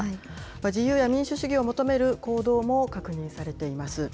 自由や民主主義を求める行動も確認されています。